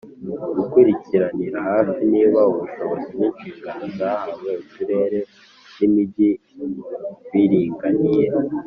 gukurikiranira hafi niba ubushobozi n'inshingano zahawe uturere n'imijyi biringaniye